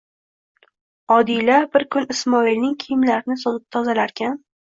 Odila bir kun Ismoilning kiyimlarini tozalarkan